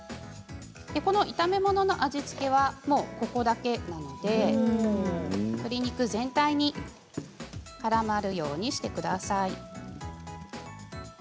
炒め物の味付けはここだけなので鶏肉全体にからまるようにしてください。